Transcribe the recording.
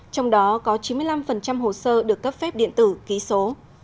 trong đó có chín mươi năm hồ sơ được cấp phép điện tử ký số